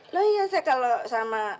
loh iya saya kalau sama